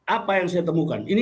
apa yang saya temukan